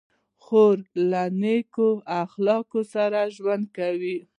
خور له نیک اخلاقو سره ژوند کوي.